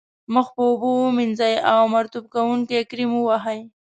مخ په اوبو ومینځئ او مرطوب کوونکی کریم و وهئ.